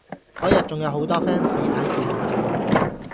嗰日仲有好多 fans 睇住我哋